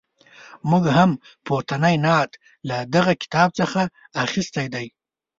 موږ هم پورتنی نعت له دغه کتاب څخه اخیستی دی.